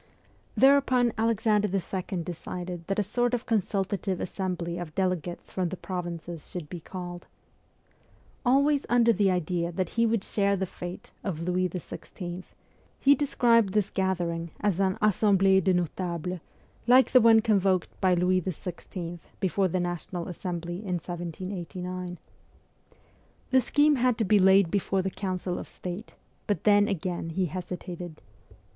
Thereupon Alexander II. decided that a sort of consultative assembly of delegates from the provinces should be called. Alwajs under the idea that he would share the fate of Louis XVI., he described this gathering as an AssembUe des Notables, like the one convoked by Louis XVI. before the National Assembly in 1789. The scheme had to be WESTERN EUROPE 243 laid before the council of state, but then again he hesitated.